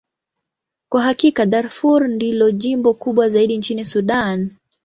Kwa hakika, Darfur ndilo jimbo kubwa zaidi nchini Sudan.